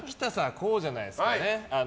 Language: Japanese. こうじゃないですかね。